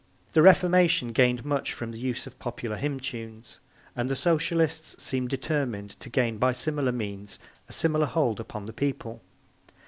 The Reformation gained much from the use of popular hymn tunes, and the Socialists seem determined to gain by similar means a similar hold upon the people.